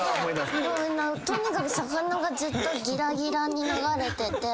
とにかく魚がずっとギラギラに流れてて。